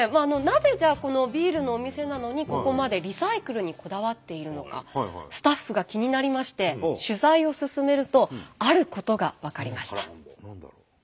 なぜじゃあこのビールのお店なのにここまでスタッフが気になりまして取材を進めるとあることが分かりました。